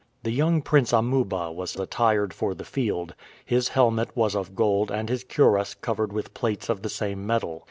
The young Prince Amuba was attired for the field; his helmet was of gold and his cuirass covered with plates of the same metal.